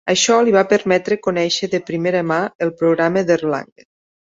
Això li va permetre conèixer de primera mà el Programa d'Erlangen.